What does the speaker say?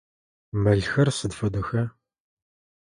Мэлхэр сыд фэдэха?